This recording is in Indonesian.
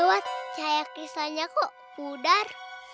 gawat cahaya kristalnya kok pudar